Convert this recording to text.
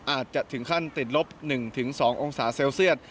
อาจจะถึงขั้นติดลบ๑๒องศาเซลเซียต